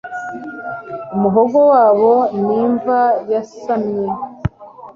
umuhogo wabo ni imva yasamye